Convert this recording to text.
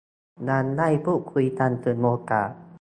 ยังได้พูดคุยกันถึงโอกาส